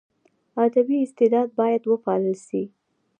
ادبي استعداد باید وپالل سي.